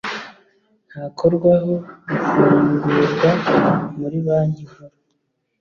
ntakorwaho ifungurwa muri banki nkuru